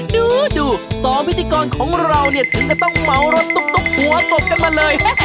ดู๒พิธีกรของเราเนี่ยถึงก็ต้องเหมารถตุ๊กหัวตบกันมาเลย